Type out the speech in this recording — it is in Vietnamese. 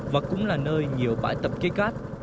và cũng là nơi nhiều bãi tập cây cát